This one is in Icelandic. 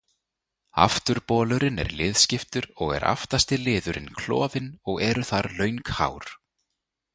Afturbolurinn er liðskiptur og er aftasti liðurinn klofinn og eru þar löng hár.